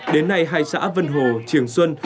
đến nay hai xã vân hồ trường xuân